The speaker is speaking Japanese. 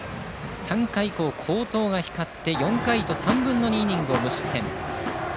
３回以降、好投が光って４回と３分の２イニングを無失点。